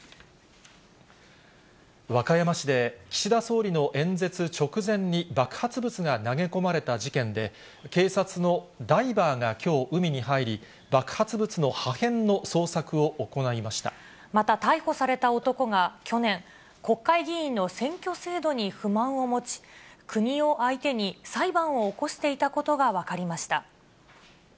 和歌山市で、岸田総理の演説直前に爆発物が投げ込まれた事件で、警察のダイバーがきょう、海に入り、また、逮捕された男が去年、国会議員の選挙制度に不満を持ち、国を相手に裁判を起こしていたことが分かりました。